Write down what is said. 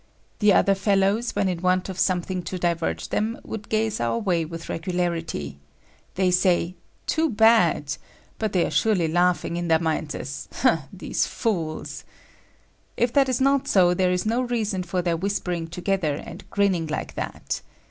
The other fellows, when in want of something to divert them, would gaze our way with regularity. They say "too bad," but they are surely laughing in their minds as "ha, these fools!" If that is not so, there is no reason for their whispering together and grinning like that.